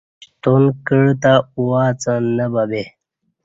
شتان کعہ تہ اواڅں نہ بیے